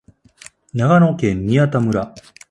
長野県宮田村